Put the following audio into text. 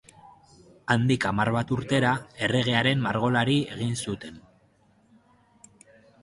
Handik hamar bat urtera, erregearen margolari egin zuten.